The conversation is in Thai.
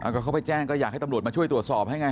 ก็เขาไปแจ้งก็อยากให้ตำรวจมาช่วยตรวจสอบให้ไง